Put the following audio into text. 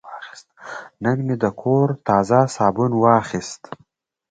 نن مې د کور تازه صابون واخیست.